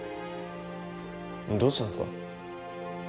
どうしたんすか？